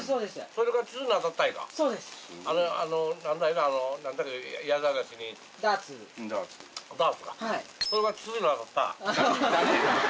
それが智頭に当たった？